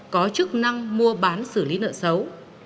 có chức năng mua bán xử lý nợ xấu